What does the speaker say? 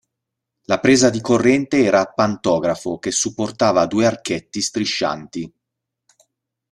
La presa di corrente era a pantografo, che supportava due archetti striscianti.